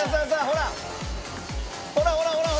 ほらほらほらほら！